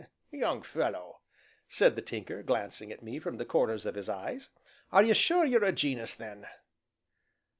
"Young fellow," said the Tinker, glancing at me from the corners of his eyes, "are you sure you are a gen'us then?"